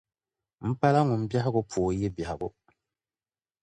M pala ŋun biɛhigu pooi yi biɛhigu.